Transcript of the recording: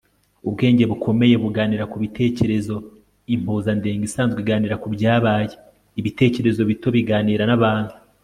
ubwenge bukomeye buganira ku bitekerezo; impuzandengo isanzwe iganira kubyabaye; ibitekerezo bito biganira n'abantu